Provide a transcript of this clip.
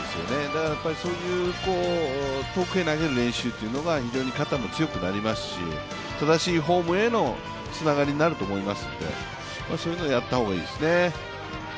だから遠くへ投げる練習が非常に肩も強くなりますし正しいフォームへのつながりになると思いますんでそういうのをやった方がいいですね。